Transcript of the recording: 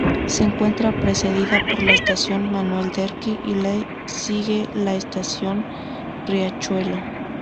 Se encuentra precedida por la Estación Manuel Derqui y le sigue la Estación Riachuelo.